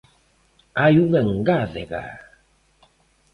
Hai unha engádega.